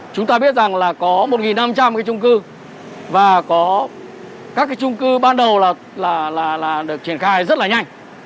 chúng ta biết rằng là có một năm trăm linh cái trung cư và có các cái trung cư ban đầu là được triển khai rất là nhanh